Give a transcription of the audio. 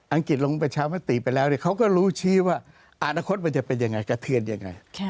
กิจลงประชามติไปแล้วเขาก็รู้ชี้ว่าอนาคตมันจะเป็นยังไงกระเทือนยังไง